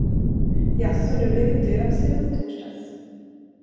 Jaså, du har blivit döv sedan i torsdags?